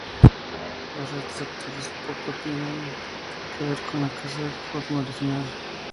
Los restos actuales, poco tienen que ver con la Casa del cordón Original.